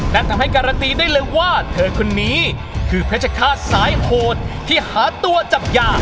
ทำให้การันตีได้เลยว่าเธอคนนี้คือเพชรฆาตสายโหดที่หาตัวจับยา